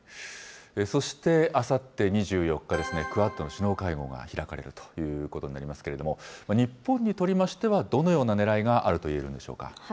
そして、あさって２４日ですね、クアッドの首脳会合が開かれるということになりますけれども、日本にとりましては、どのようなねらいがあるといえるんでしょうか。